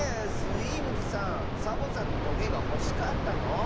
スイームズさんサボさんのトゲがほしかったの？